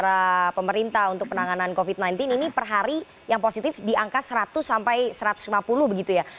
dari pemerintah untuk penanganan covid sembilan belas ini per hari yang positif di angka seratus sampai satu ratus lima puluh begitu ya